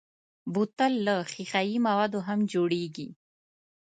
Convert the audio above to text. بوتل له ښیښهيي موادو هم جوړېږي.